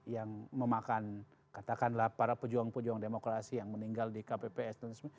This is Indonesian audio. yang memakan katakanlah para pejuang pejuang demokrasi yang meninggal di kpps dan sebagainya